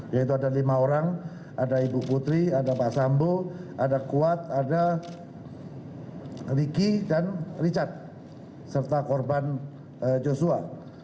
yaitu ada lima orang ada ibu putri ada pak sambo ada kuat ada riki dan richard serta korban joshua